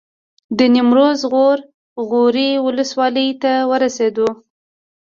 د نیمروز غور غوري ولسوالۍ ته ورسېدو.